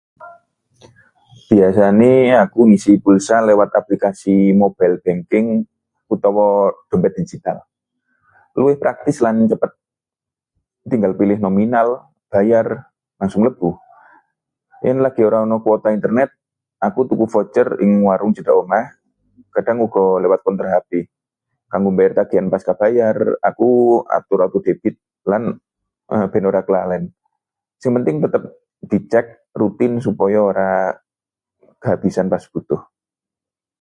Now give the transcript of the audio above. Biasane aku ngisi pulsa lewat aplikasi mobile banking utawa dompet digital, luwih praktis lan cepet. Tinggal pilih nominal, bayar, langsung mlebu. Yen lagi ora ana kuota internet, aku tuku voucher ing warung cedhak omah. Kadhang uga lewat konter HP. Kanggo mbayar tagihan pascabayar, aku atur auto-debit ben ora kelalen. Sing penting tetep dicek rutin supaya ora kehabisan pas butuh.